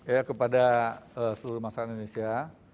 ya kepada seluruh masyarakat indonesia